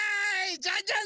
ジャンジャンです！